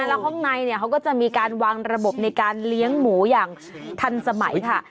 แล้วข้างในเขาก็จะมีการวางระบบในการเลี้ยงหมูอย่างทันสมัยค่ะ